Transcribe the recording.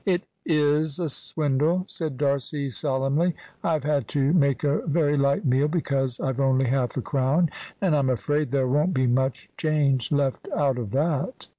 "It is a swindle," said D'Arcy, solemnly. "I've had to make a very light meal, because I've only half a crown, and I'm afraid there won't be much change left out of that."